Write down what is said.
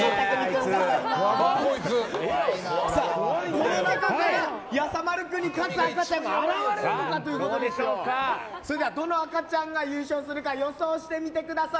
この中からやさまる君に勝つ赤ちゃんは現れるのかということでそれではどの赤ちゃんが優勝するか予想してみてください！